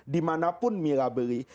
dimanapun mila beli